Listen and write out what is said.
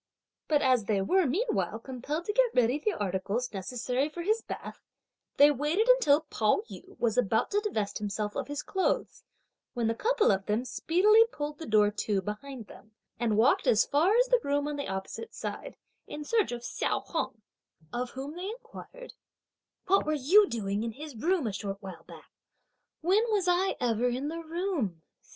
But as they were meanwhile compelled to get ready the articles necessary for his bath, they waited until Pao yü was about to divest himself of his clothes, when the couple of them speedily pulled the door to behind them, as they went out, and walked as far as the room on the opposite side, in search of Hsiao Hung; of whom they inquired: "What were you doing in his room a short while back?" "When was I ever in the room?"